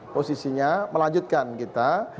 posisinya melanjutkan kita